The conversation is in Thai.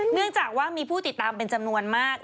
เนื่องจากว่ามีผู้ติดตามเป็นจำนวนมาก